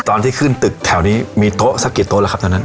ตอนที่ขึ้นตึกแถวนี้มีโต๊ะสักกี่โต๊ะแล้วครับตอนนั้น